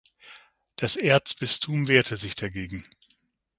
Das Erzbistum wehrte sich dagegen.